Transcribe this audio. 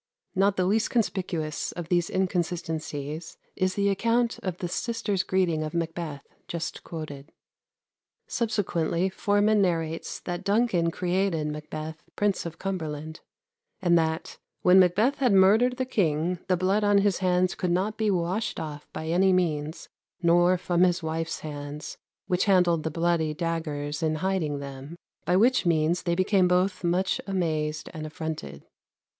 Not the least conspicuous of these inconsistencies is the account of the sisters' greeting of Macbeth just quoted. Subsequently Forman narrates that Duncan created Macbeth Prince of Cumberland; and that "when Macbeth had murdered the king, the blood on his hands could not be washed off by any means, nor from his wife's hands, which handled the bloody daggers in hiding them, by which means they became both much amazed and affronted."